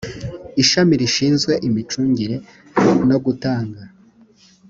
ishami rishinzwe imicungire no gutanga